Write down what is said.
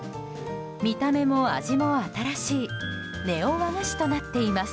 見た目も味も新しいネオ和菓子となっています。